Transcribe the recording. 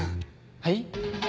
はい？